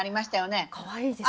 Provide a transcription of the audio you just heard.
かわいいですね。